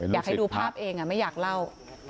อยากให้ดูภาพเองไม่อยากเล่า